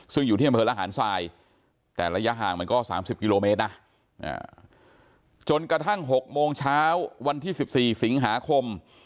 ซึ่งอยู่ที่เมืองอาหารทรายแต่ระยะห่างมันก็สามสิบกิโลเมตรนะน่ะจนกระทั่งหกโมงเช้าวันที่สิบสี่สิงหาคม